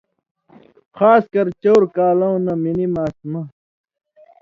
خاص کر چؤر کالؤں نہ منی ماسمہ